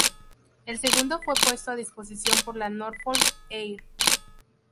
El segundo fue puesto a disposición por la Norfolk Air.